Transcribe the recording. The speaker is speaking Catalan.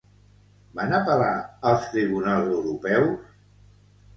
Van apel·lar als tribunals europeus?